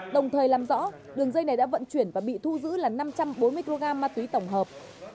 đồng thời làm rõ đường dây này đã vận chuyển và bị thu giữ là năm trăm bốn mươi kg ma túy tổng hợp